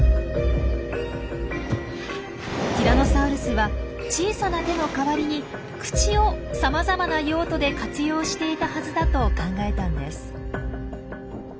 ティラノサウルスは小さな手の代わりに口をさまざまな用途で活用していたはずだと考えたんです。